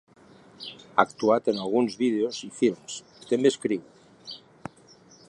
Ha actuat en alguns vídeos i films i també escriu.